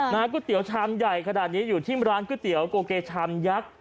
ก๋วยเตี๋ยวชามใหญ่ขนาดนี้อยู่ที่ร้านก๋วยเตี๋ยวโกเกชามยักษ์